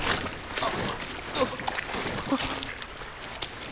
あっ。